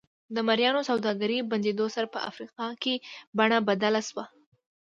د مریانو سوداګرۍ بندېدو سره په افریقا کې بڼه بدله شوه.